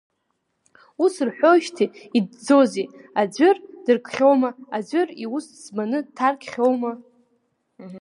Ус рҳәоижьҭеи иҵӡозеи, аӡәыр дыркхьоума, аӡәыр иус ӡбаны дҭаркхьоума?